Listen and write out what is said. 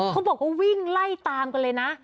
เขาบอกว่าวิ่งไล่ตามกันเลยนะ